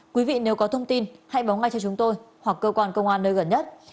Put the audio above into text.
quý vị nếu có thông tin hãy báo ngay cho chúng tôi hoặc cơ quan công an nơi gần nhất